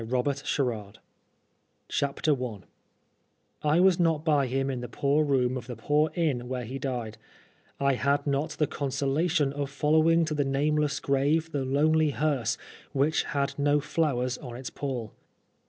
Oscar Wilde i I WAS not by him in the poor room of the poor inn where he died, I had not the con solation of following to the nameless grave the lonely hearse which had no flowers on its pall.